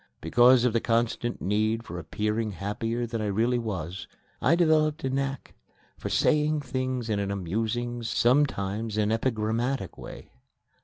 Because of the constant need for appearing happier than I really was, I developed a knack for saying things in an amusing, sometimes an epigrammatic, way.